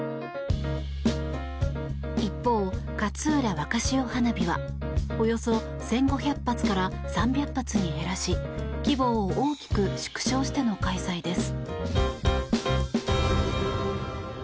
一方、かつうら若潮花火はおよそ１５００発から３００発に減らし規模を大きく縮小しての開催です。